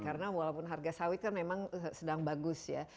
karena walaupun harga sawit kan memang sedang bagus ya